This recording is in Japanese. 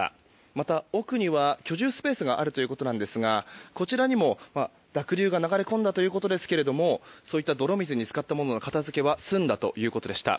また、奥には、居住スペースがあるということですがこちらにも濁流が流れ込んだということですがそういった泥水に浸かったものの片づけは済んだということでした。